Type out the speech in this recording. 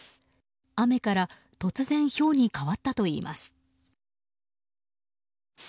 雨から突然ひょうに変わったといいます。